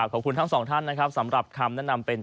ขอบคุณทั้งสองท่านสำหรับคำแนะนำเป็นประจำแบบนี้